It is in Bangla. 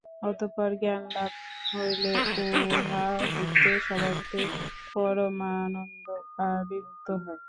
অতঃপর জ্ঞানলাভ হইলে উহা হইতে স্বভাবতই পরমানন্দ আবির্ভূত হয়।